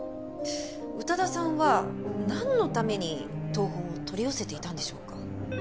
宇多田さんはなんのために謄本を取り寄せていたんでしょうか？